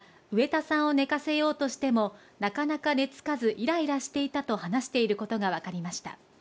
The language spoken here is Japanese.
その後の調べで冨澤容疑者は、植田さんを寝かせようとしても、なかなか寝つかず、いらいらしていたと話していることが分かりました。